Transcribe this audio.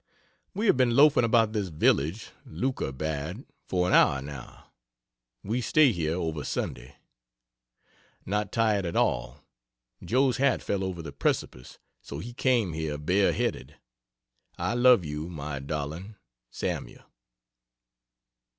We have been loafing about this village (Leukerbad) for an hour, now we stay here over Sunday. Not tired at all. (Joe's hat fell over the precipice so he came here bareheaded.) I love you, my darling. SAML.